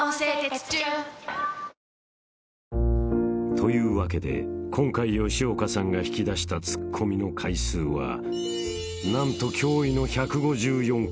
［というわけで今回吉岡さんが引き出したツッコミの回数は何と驚異の１５４回］